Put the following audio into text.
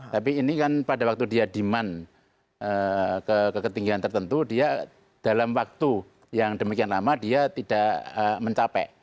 tapi ini kan pada waktu dia demand ke ketinggian tertentu dia dalam waktu yang demikian lama dia tidak mencapai